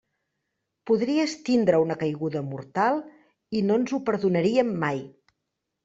Podries tindre una caiguda mortal i no ens ho perdonaríem mai.